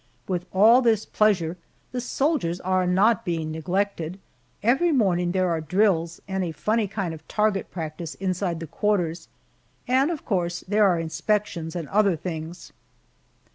With all this pleasure, the soldiers are not being neglected. Every morning there are drills and a funny kind of target practice inside the quarters, and of course there are inspections and other things.